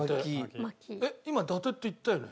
今伊達って言ったよね？